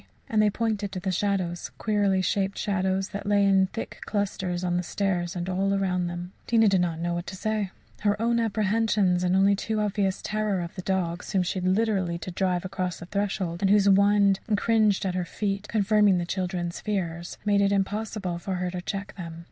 And they pointed to the shadows queerly shaped shadows that lay in thick clusters on the stairs and all around them. Tina did not know what to say. Her own apprehensions and the only too obvious terror of the dogs, whom she had literally to drive across the threshold, and who whined and cringed at her feet, confirming the children's fears, made it impossible for her to check them.